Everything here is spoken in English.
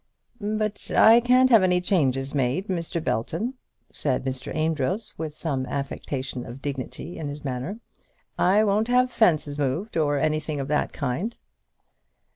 "But I can't have any changes made, Mr. Belton," said Mr. Amedroz, with some affectation of dignity in his manner. "I won't have the fences moved, or anything of that kind."